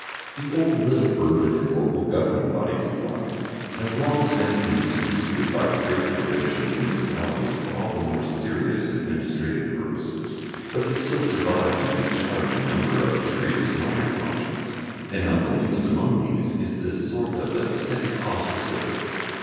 The old little urban and local governing bodies, we find, have long since been superseded by great provincial municipalities for all the more serious administrative purposes, but they still survive to discharge a number of curious minor functions, and not the least among these is this sort of aesthetic ostracism.